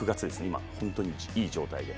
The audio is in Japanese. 今、本当にいい状態で。